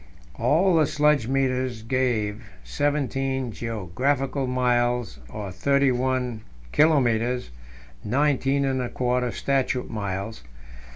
All the sledge meters gave seventeen geographical miles, or thirty one kilometres (nineteen and a quarter statute miles).